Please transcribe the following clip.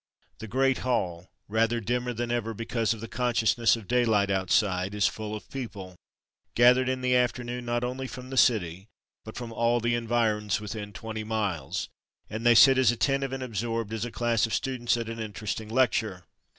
The great hall, rather dimmer than ever because of the consciousness of daylight outside, is full of people, gathered in the afternoon not only from the city, but from all the environs within twenty miles, and they sit as attentive and absorbed as a class of students at an interesting lecture.